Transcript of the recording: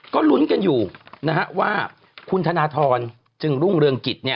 ก็ลุ้นกันอยู่ว่าคุณธนทรจึงรุ่งเรืองกิจ